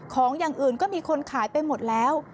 อย่างอื่นก็มีคนขายไปหมดแล้ว